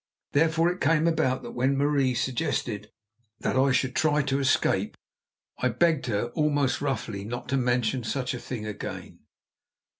Therefore it came about that when Marie suggested that I should try to escape, I begged her almost roughly not to mention such a thing again.